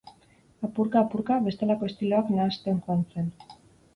Apurka-apurka, bestelako estiloak nahasten joan zen.